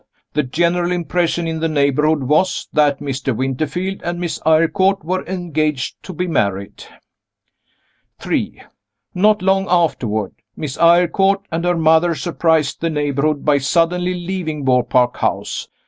The general impression in the neighborhood was that Mr. Winterfield and Miss Eyrecourt were engaged to be married. 3. Not long afterward, Miss Eyrecourt and her mother surprised the neighborhood by suddenly leaving Beaupark House.